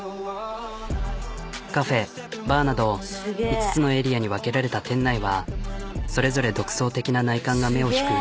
カフェバーなど５つのエリアに分けられた店内はそれぞれ独創的な内観が目を引く。